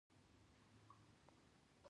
ایا ستاسو بند به خلاص نه شي؟